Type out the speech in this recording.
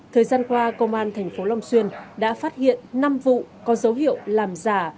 thời gian qua công an thành phố long xuyên đã phát hiện năm vụ có dấu hiệu làm giả